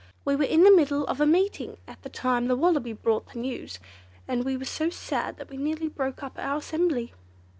"We were in the middle of a meeting at the time the Wallaby brought the news, and we were so sad that we nearly broke up our assembly.